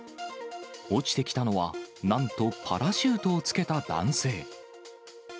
落ちてきたのは、なんとパラシュートをつけた男性。